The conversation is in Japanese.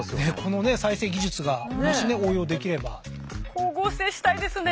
光合成したいですね！